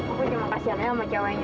aku cuma kasihan aja sama jawanya